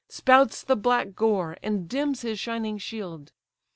Spouts the black gore, and dims his shining shield.